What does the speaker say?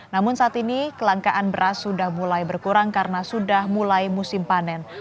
namun saat ini kelangkaan beras sudah mulai berkurang karena sudah mulai musim panen